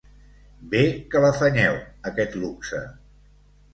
Bé que l'afanyeu, aquest luxe.